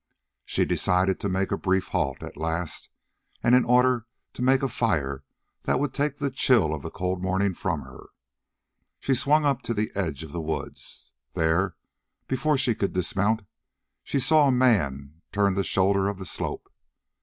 She decided to make a brief halt, at last, and in order to make a fire that would take the chill of the cold morning from her, she swung up to the edge of the woods. There, before she could dismount, she saw a man turn the shoulder of the slope.